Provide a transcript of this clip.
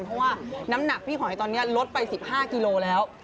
เพราะว่าน้ำหนักพี่หอยตอนนี้ลดไป๑๕กิโลแล้ว